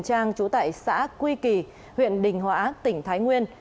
trang trú tại xã quy kỳ huyện đình hóa tỉnh thái nguyên